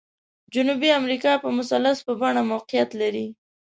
جنوبي امریکا په مثلث په بڼه موقعیت لري.